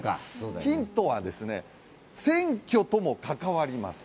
ヒントは選挙とも関わります。